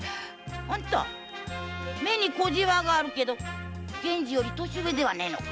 あんた目に小ジワがあるけど源次より年上ではねえのか？